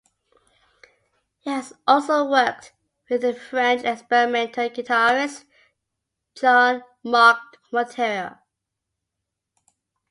He has also worked with the French experimental guitarist Jean-Marc Montera.